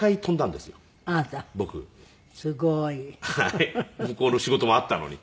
向こうの仕事もあったのに。